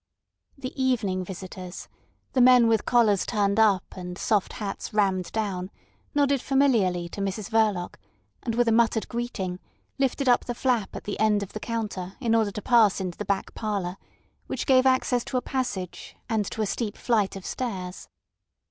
The evening visitors—the men with collars turned up and soft hats rammed down—nodded familiarly to Mrs Verloc, and with a muttered greeting, lifted up the flap at the end of the counter in order to pass into the back parlour, which gave access to a passage and to a steep flight of stairs.